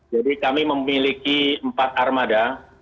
jadi kami memiliki empat armada